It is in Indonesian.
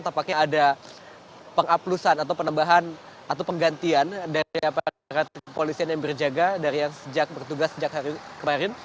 tampaknya ada pengaplusan atau penambahan atau penggantian dari aparat kepolisian yang berjaga dari yang sejak bertugas sejak hari kemarin